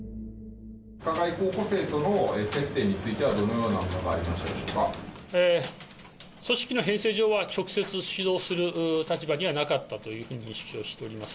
加害候補生との接点についてはどのようなものがありましたで組織の編成上は、直接指導する立場にはなかったというふうに認識をしております。